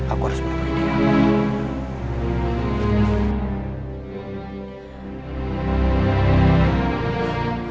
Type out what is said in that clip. aku harus menjadi muridnya